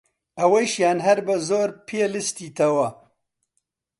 ئەوەیشیان بە زۆر هەر پێ لستیتەوە!